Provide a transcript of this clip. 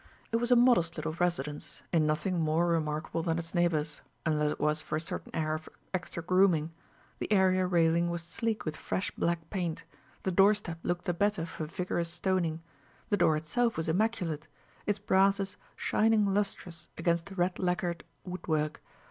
It was a modest little residence, in nothing more remarkable than its neighbors, unless it was for a certain air of extra grooming: the area railing was sleek with fresh black paint; the doorstep looked the better for vigorous stoning; the door itself was immaculate, its brasses shining lustrous against red lacquered woodwork.